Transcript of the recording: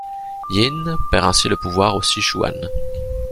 Yin perd ainsi le pouvoir au Sichuan.